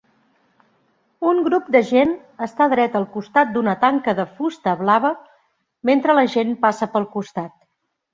Un grup de gent està dreta al costat d'una tanca de fusta blava mentre la gent passa pel costat